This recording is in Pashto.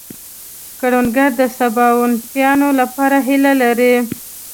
کروندګر د سباوونتیا لپاره هيله لري